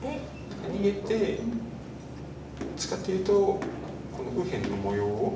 何か逃げてどっちかっていうとこの右辺の模様を。